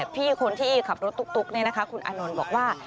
พี่คนที่ขับรถตุ๊กคุณอานนท์บอกว่า